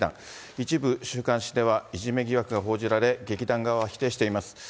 一部週刊誌ではいじめ疑惑が報じられ、劇団側は否定しています。